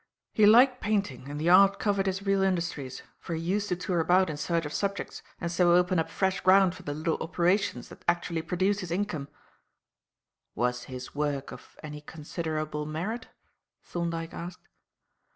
He liked painting and the art covered his real industries, for he used to tour about in search of subjects and so open up fresh ground for the little operations that actually produced his income." "Was his work of any considerable merit?" Thorndyke asked.